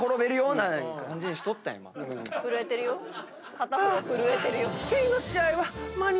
片方は震えてるよ。